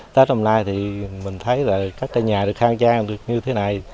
tết hôm nay thì mình thấy là các cái nhà được khang trang được như thế này